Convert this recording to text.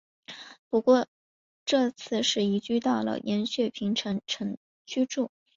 不过这次是移居到了延雪平城城居住。